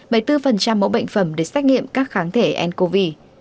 bảy mươi bốn mẫu bệnh phẩm để xét nghiệm các kháng thể ncov